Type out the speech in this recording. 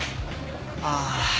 ああ。